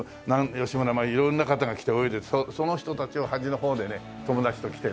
色んな方が来て泳いでてその人たちを端の方でね友達と来てね